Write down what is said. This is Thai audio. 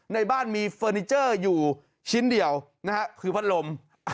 ในบ้านมีเฟอร์นิเจอร์อยู่ชิ้นเดียวนะฮะคือพัดลม